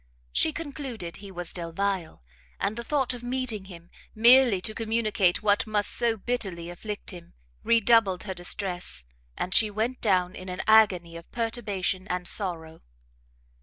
She concluded he was Delvile, and the thought of meeting him merely to communicate what must so bitterly afflict him, redoubled her distress, and she went down in an agony of perturbation and sorrow.